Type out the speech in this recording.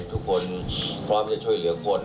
ทุกคนพร้อมจะช่วยเหลือคน